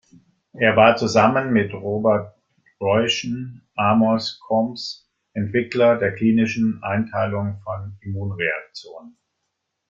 Er war zusammen mit Robert Royston Amos Coombs Entwickler der Klinischen Einteilung von Immunreaktionen.